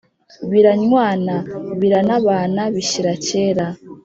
biranywana biranabana bishyira kera